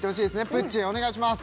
プッチお願いします